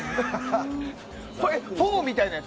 フォーみたいなやつ？